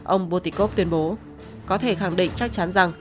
ông putikov tuyên bố có thể khẳng định chắc chắn rằng